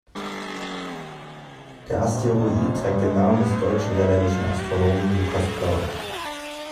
Der Asteroid trägt den Namen des deutsch-niederländischen Astronomen Lukas Plaut.